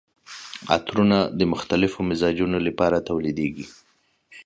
عطرونه د مختلفو مزاجونو لپاره تولیدیږي.